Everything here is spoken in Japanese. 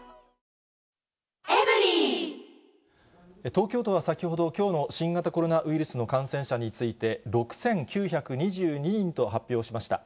東京都は先ほど、きょうの新型コロナウイルスの感染者について、６９２２人と発表しました。